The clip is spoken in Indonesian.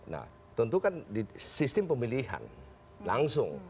nah tentu kan di sistem pemilihan langsung